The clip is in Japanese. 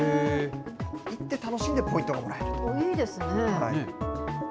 行って楽しんでポイントがもらえいいですね。